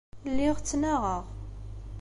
Lliɣ ttnaɣeɣ.